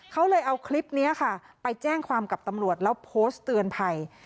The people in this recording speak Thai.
เขาเลยเอาคลิปนี้ค่ะไปแจ้งความกับตำรวจแล้วโพสต์เตือนภัย